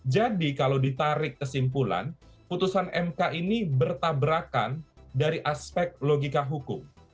jadi kalau ditarik kesimpulan putusan mk ini bertabrakan dari aspek logika hukum